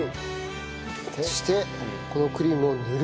そしてこのクリームを塗る。